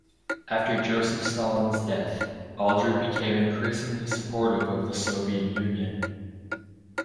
After Joseph Stalin's death, Aldred became increasingly supportive of the Soviet Union.